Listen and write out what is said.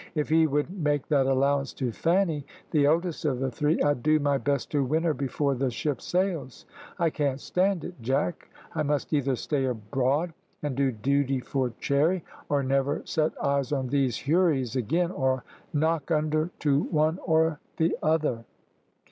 "If he would make that allowance to Fanny, the eldest of the three, I'd do my best to win her before the ship sails. I can't stand it, Jack. I must either stay aboard and do duty for Cherry, or never set eyes on these houris again, or knock under to one or the other."